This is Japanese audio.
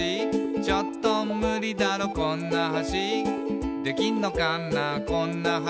「ちょっとムリだろこんな橋」「できんのかなこんな橋」